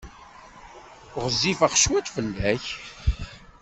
Ɣezzifeɣ cwiṭ fell-ak.